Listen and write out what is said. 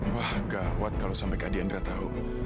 wah gawat kalau sampai kak diandra tahu